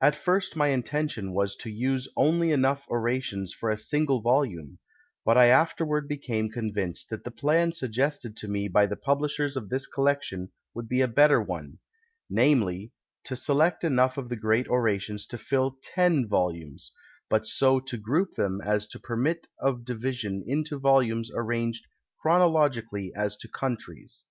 At iirst m.y intention was to use only enough orations for a single volume, but I afterward became convinced that the plan suggested to me by the publishers of this collection would be a better one, namely : to select enough of the great orations to fill ten volumes, but so to group them as to permit of division into volumes arranged chronologically as to countries.